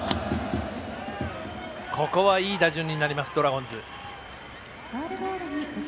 ここはいい打順になりますドラゴンズ。